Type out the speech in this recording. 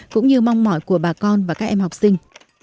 cũng như mong mỏi của bà con và các em học sinh